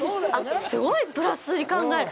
すごいプラスに考える。